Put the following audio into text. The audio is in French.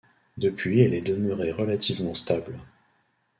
Depuis elle est demeurée relativement stable.